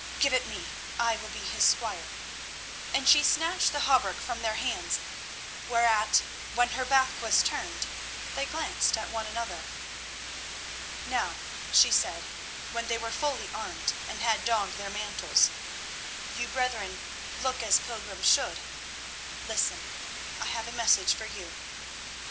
Give it me; I will be his squire," and she snatched the hauberk from their hands, whereat, when her back was turned, they glanced at one another. "Now," she said, when they were fully armed and had donned their mantles, "you brethren look as pilgrims should. Listen, I have a message for you.